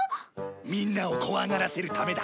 みんなを怖がらせるためだ。